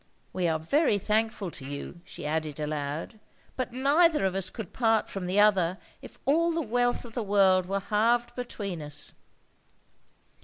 We are very thankful to you," she added aloud; "but neither of us could part from the other if all the wealth of the world were halved between us."